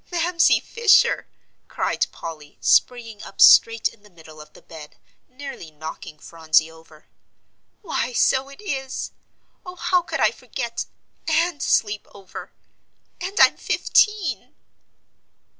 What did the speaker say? "Mamsie Fisher!" cried Polly, springing up straight in the middle of the bed, nearly knocking Phronsie over. "Why, so it is. Oh, how could I forget and sleep over. And I'm fifteen!"